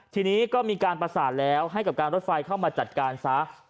ทีนี้ก็มีการประสานแล้วให้กับการรถไฟเข้ามาจัดการซะ